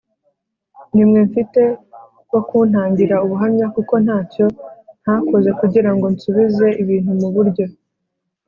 Nimwe mfite bo kuntangira ubuhamya kuko ntacyo ntakoze kugira ngo nsubize ibintu mu buryo